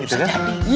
pak ustadz tadi